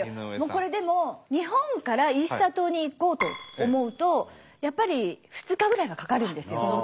これでも日本からイースター島に行こうと思うとやっぱり２日ぐらいはかかるんですよ。